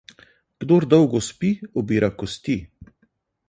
Kdor dolgo spi, obira kosti.